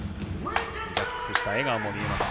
リラックスした笑顔も見えます。